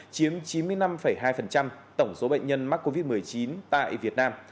chiếm chín mươi năm hai tổng số bệnh nhân mắc covid một mươi chín tại việt nam